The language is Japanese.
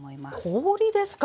氷ですか？